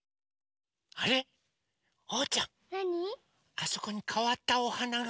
あそこにかわったおはなが。